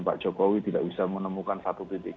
pak jokowi tidak bisa menemukan satu titik